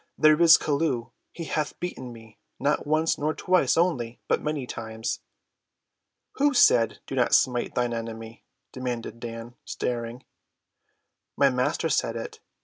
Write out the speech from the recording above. "There is Chelluh; he hath beaten me, not once nor twice only, but many times." "Who said 'Do not smite thine enemy'?" demanded Dan, staring. "My Master said it.